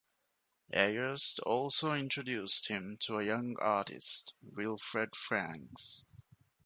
Ayerst also introduced him to a young artist, Wilfred Franks.